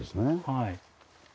はい。